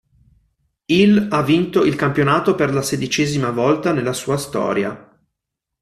Il ha vinto il campionato per la sedicesima volta nella sua storia.